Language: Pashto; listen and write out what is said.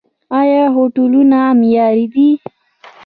آیا هوټلونه معیاري دي؟